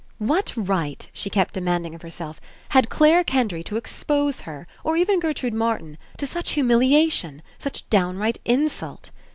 What right, she kept demanding of her self, had Clare Kendry to expose her, or even Gertrude Martin, to such humiliation, such downright Insult?